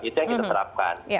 itu yang kita terapkan